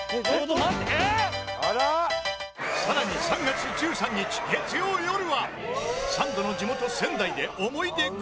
更に３月１３日月曜よるはサンドの地元仙台で思い出グルメ旅！